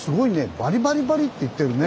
バリバリバリっていってるね。